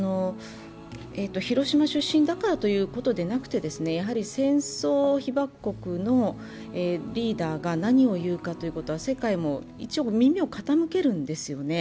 広島出身だからということでなくて、戦争被爆国のリーダーが何を言うかということは世界も耳を傾けるんですよね。